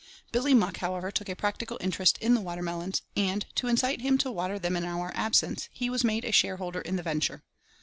Billy Muck, however, took a practical interest in the water melons, and to incite him to water them in our absence, he was made a shareholder in the venture.